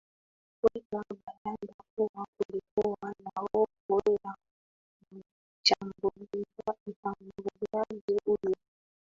weka bayana kuwa kulikuwa na hofu ya mshambuliaji huyo